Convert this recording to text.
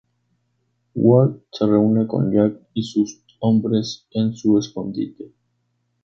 Walt se reúne con Jack y sus hombres en su escondite.